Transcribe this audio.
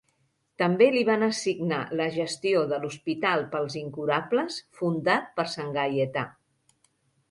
També li van assignar la gestió de l"hospital pels incurables, fundat per Sant Gaietà.